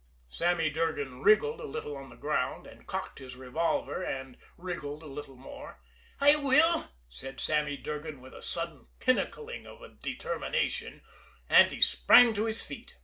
Sammy Durgan wriggled a little on the ground, cocked his revolver and wriggled a little more. "I will!" said Sammy Durgan with a sudden pinnacling of determination and he sprang to his feet.